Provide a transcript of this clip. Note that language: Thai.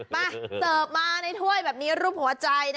มาส่อบมาในถ้วยแบบนี้รูปหัวใจ